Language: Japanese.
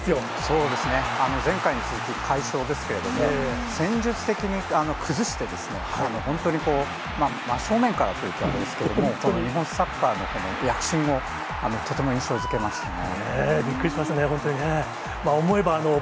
そうですね、前回に続き、快勝ですけれども、戦術的に崩して、本当に真正面からというとあれですけど、本当に日本サッカーの躍進をとても印象づけましたね。